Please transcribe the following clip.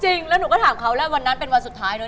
จริงแล้วหนูก็ถามเขาแล้ววันนั้นเป็นวันสุดท้ายเนอ